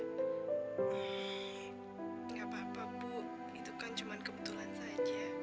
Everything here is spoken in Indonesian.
gak apa apa bu itu kan cuma kebetulan saja